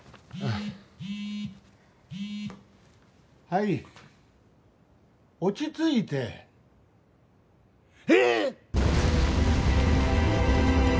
はい落ち着いてええっ！？